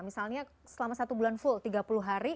misalnya selama satu bulan full tiga puluh hari